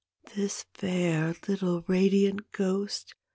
This fair little radiant ghost.